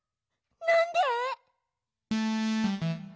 なんで！？